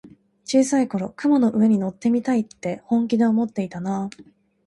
小さい頃、雲の上に乗ってみたいって本気で思ってたなあ。